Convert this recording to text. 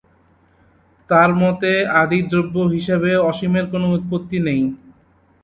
তার মতে, আদি দ্রব্য হিসেবে অসীমের কোনো উৎপত্তি নেই।